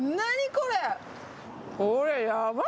これ。